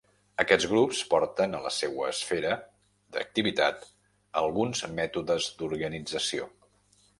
Aquests grups porten a la seua esfera d'activitat alguns mètodes d'organització.